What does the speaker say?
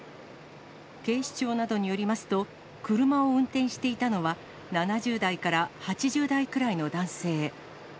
警視庁などによりますと、車を運転していたのは７０代から８０代くらいの男性。